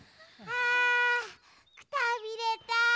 あくたびれた。